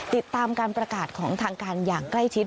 ติดตามการประกาศของทางการอย่างใกล้ชิด